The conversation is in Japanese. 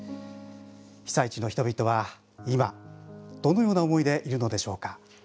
被災地の人々は今どのような思いでいるのでしょうか。